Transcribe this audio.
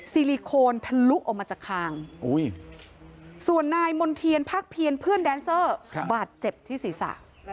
ส่วนนายมณ์เทียนภาคเพียรเพื่อนแดนเซอร์บาดเจ็บที่ศีรษะ